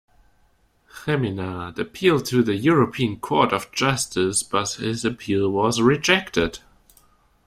Cheminade appealed to the European Court of Justice, but his appeal was rejected.